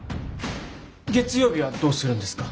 月曜日はどうするんですか？